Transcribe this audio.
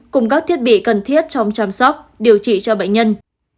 cùng các thiết bị cần thiết trong chăm sóc điều trị cho bệnh nhân